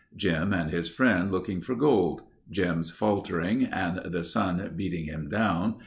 Jim and his friend looking for gold. Jim's faltering and the sun beating him down.